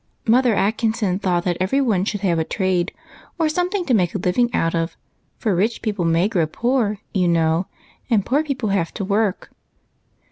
Mother Atkinson thought that every one should have a trade, or some thing to make a living out of, for rich people may grow poor, you know, and poor people have to work.